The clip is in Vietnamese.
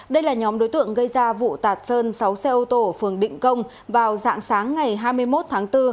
đây là nhóm đối tượng gây ra vụ tạt sơn sáu xe ô tô ở phường định công vào dạng sáng ngày hai mươi một tháng bốn